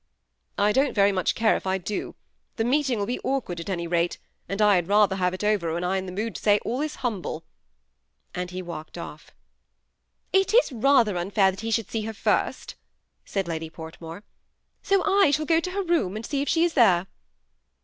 " I don't very much care if I do. The meeting will be awkward, at any rate, and I had rather have it over when I am in the mood to say all that is humble;" and he walked off. " It is rather unfair that he should see her first," said Lady Portmore, ^' so I shall go to her room, and see if she is there."